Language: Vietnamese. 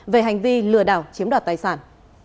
về hành vi lừa đảo chiếm đoạt tài sản